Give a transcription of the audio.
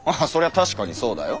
確かにそうだよ。